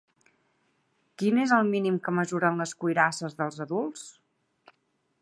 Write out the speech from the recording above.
Quin és el mínim que mesuren les cuirasses dels adults?